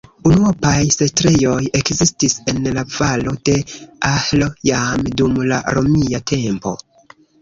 Unuopaj setlejoj ekzistis en la valo de Ahr jam dum la romia tempo.